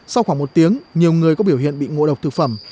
sau khoảng một tiếng nhiều người có biểu hiện bị ngộ độc thực phẩm